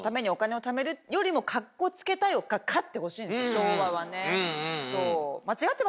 昭和はね。